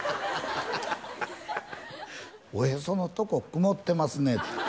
「おへそのとこ曇ってますね」って